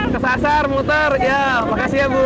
kesasar muter ya makasih ya bu